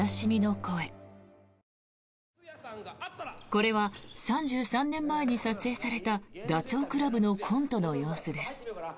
これは３３年前に撮影されたダチョウ倶楽部のコントの様子です。